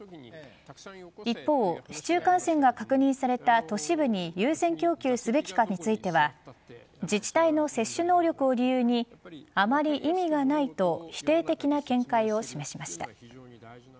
一方、市中感染が確認された都市部に優先供給すべきかについては自治体の接種能力を理由にあまり意味がないと否定的な見解を示しました。